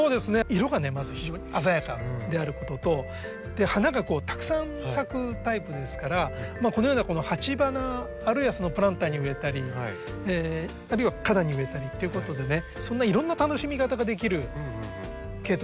色がねまず非常に鮮やかであることと花がたくさん咲くタイプですからこのようなこの鉢花あるいはプランターに植えたりあるいは花壇に植えたりっていうことでねそんないろんな楽しみ方ができるケイトウだと思います。